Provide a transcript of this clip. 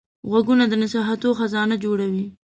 غوږونه د نصیحتو خزانه جوړوي